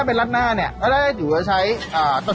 บางคนไม่ใช่ใช่แถบ